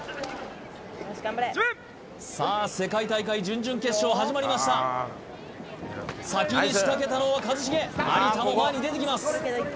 始めさあ世界大会準々決勝始まりました先に仕掛けたのは一茂有田も前に出てきます